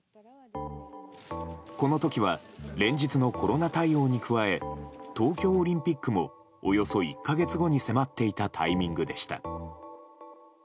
この時は連日のコロナ対応に加え東京オリンピックもおよそ１か月に迫っていたタイミングでした。